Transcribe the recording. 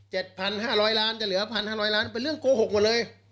พันห้าร้อยล้านจะเหลือพันห้าร้อยล้านเป็นเรื่องโกหกหมดเลย